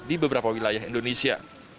di beberapa wilayah indonesia